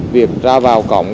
việc ra vào cổng